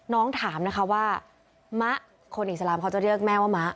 น้องถามนะคะว่ามะคนอิสลามเขาจะเรียกแม่ว่ามะ